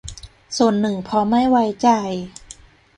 ส่วนหนึ่งเพราะไม่ไว้ใจ